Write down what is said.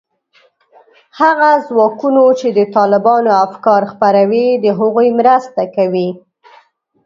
هغه ځواکونو چې د طالبانو افکار خپروي، د هغوی مرسته کوي